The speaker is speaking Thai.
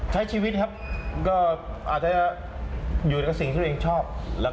ใช้ชีวิตครับก็อาจจะอยู่ในสิ่งที่ตัวเองชอบ